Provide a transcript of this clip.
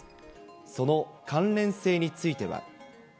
その関連性については。